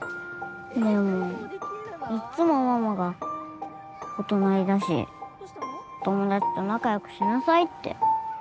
でもいっつもママがお隣だしお友達と仲良くしなさいって。